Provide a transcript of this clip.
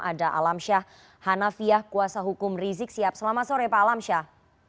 ada alam syah hanafiah kuasa hukum rizik sihab selamat sore pak alam syah